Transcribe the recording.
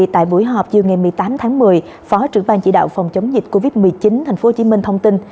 tại buổi họp chiều ngày một mươi tám tháng một mươi phó trưởng ban chỉ đạo phòng chống dịch covid một mươi chín tp hcm thông tin